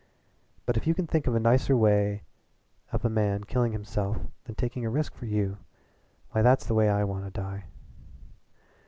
"But if you can think of an nicer way of a man killing himself than taking a risk for you, why that's the way I want to die."